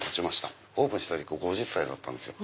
オープンした時５０歳だったんですよ。